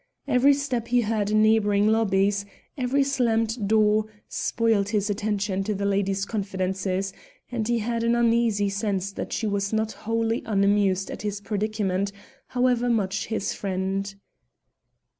Every step he heard in neighbouring lobbies, every slammed door, spoiled his attention to the lady's confidences, and he had an uneasy sense that she was not wholly unamused at his predicament, however much his friend.